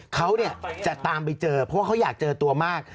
เขาจะตามไปเจอเพราะว่าเขาอยากเจอตัวมาก